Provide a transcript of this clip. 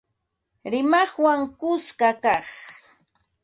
Rimaqwan kuska kaq